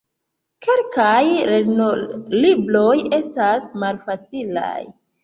Kelkaj lernolibroj estas malfacilaj.